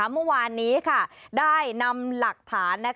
เมื่อวานนี้ได้นำหลักฐาน